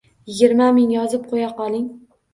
Yigirma ming yozib qo`ya qoling